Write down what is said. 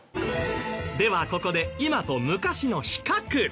ではここで今と昔の比較。